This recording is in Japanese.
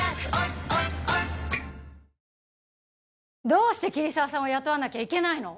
どうして桐沢さんを雇わなきゃいけないの？